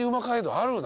あるな。